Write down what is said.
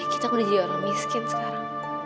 kita udah jadi orang miskin sekarang